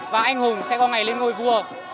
và anh hùng sẽ có ngày lên ngôi vua